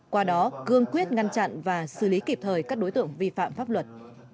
qua đó cương quyết ngăn chặn và xử lý kịp thời các đối tượng vi phạm pháp luật